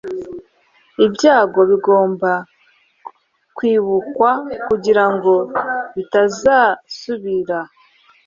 ibyago bigomba kwibukwa kugirango bitazasubira